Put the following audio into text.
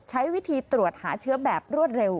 ใช้วิธีตรวจหาเชื้อแบบรวดเร็ว